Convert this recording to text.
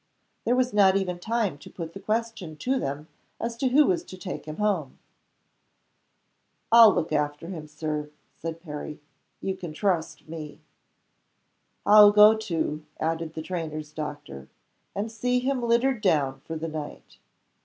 There was not even time to put the question to them as to who was to take him home. "I'll look after him, Sir," said Perry. "You can trust me." "I'll go too," added the trainer's doctor; "and see him littered down for the night."